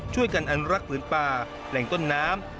ช่วยกันอนุรักษ์ผืนป่าแหล่งต้นน้ำ